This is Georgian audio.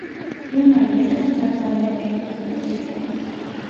ჟურნალი იყენებს ათ ბალიანი შეფასების სისტემას.